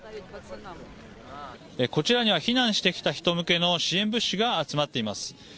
こちらには、避難してきた人向けの支援物資が集まっています。